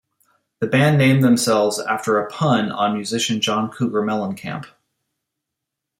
The band named themselves after a pun on musician John Cougar Mellencamp.